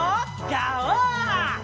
ガオー！